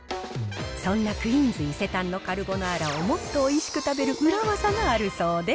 そんなクイーンズ伊勢丹のカルボナーラを、もっとおいしく食べる裏技があるそうで。